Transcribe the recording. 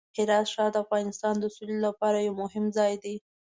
هرات ښار د افغانستان د سولې لپاره یو مهم ځای دی.